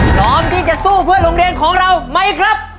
พร้อมที่จะสู้เพื่อโรงเรียนของเราไหมครับ